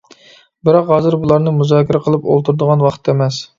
بىراق ھازىر بۇلارنى مۇزاكىرە قىلىپ ئولتۇرىدىغان ۋاقىت ئەمەس.